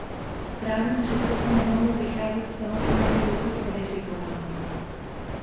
Právní předpisy nemohou vycházet z toho, co není dosud kodifikováno.